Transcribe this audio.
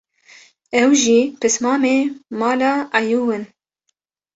ew jî pismamê mala Ayiw in